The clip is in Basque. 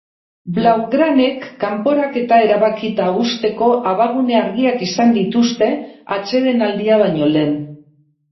Blaugranek kanporaketa erabakita uzteko abagune argiak izan dituzte atsedenaldia baino lehen.